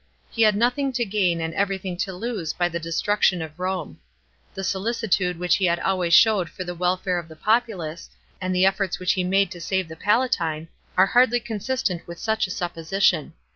He had nothing to gain and everything to lose by the destruction of Home. The solicitude which he always showed for the wel'are of the populace, and the efforts which lie made to save the Palatine, are hardly consistent with such a supposition.